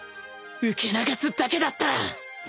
受け流すだけだったら